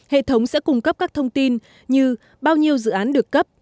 hệ thống sẽ cung cấp các thông tin như bao nhiêu dự án được cấp